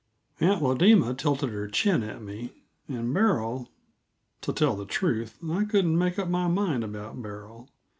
Aunt Lodema tilted her chin at me, and Beryl to tell the truth, I couldn't make up my mind about Beryl.